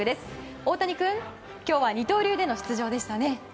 オオタニ君今日は二刀流での出場でしたね。